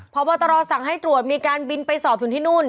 พอบัตรศักดิ์สั่งให้ตรวจมีการบินไปสอบถึงที่นู่น